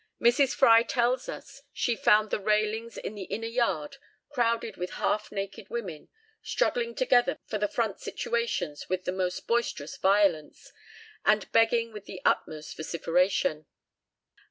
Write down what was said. Mrs. Fry tells us she found the railings in the inner yard crowded with half naked women, struggling together for the front situations with the most boisterous violence, and begging with the utmost vociferation.